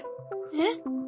えっ？